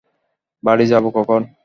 বাড়ি যাবো কখন?